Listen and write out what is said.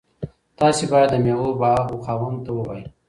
تاسي باید د میوو د باغ خاوند ته ووایئ.